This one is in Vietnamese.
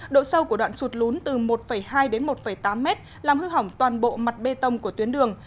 độ sâu của đoạn sụt lún từ một hai đến một tám mét làm hư hỏng toàn bộ mặt bê tông của tuyến đường